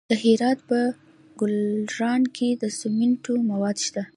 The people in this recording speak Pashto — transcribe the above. د هرات په ګلران کې د سمنټو مواد شته.